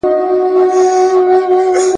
سرګردان لکه مېچن یم پکښي ورک مي صبح و شام دی `